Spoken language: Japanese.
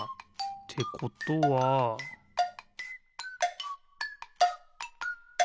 ってことはピッ！